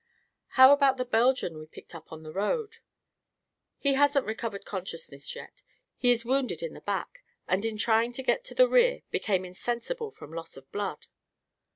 "How about the Belgian we picked up on the road?" "He hasn't recovered consciousness yet. He is wounded in the back and in trying to get to the rear became insensible from loss of blood."